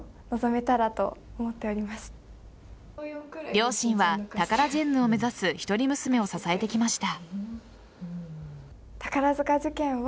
両親はタカラジェンヌを目指す一人娘を支えてきました。